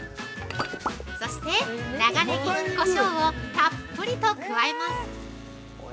◆そして長ネギ、こしょうをたっぷりと加えます！